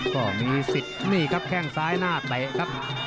ก็มีสิทธิ์นี่ครับแข้งซ้ายหน้าเตะครับ